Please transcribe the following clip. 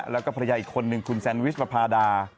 แล้วก็ภรรยาอีกคนนึงคุณแซนวิชประพาดา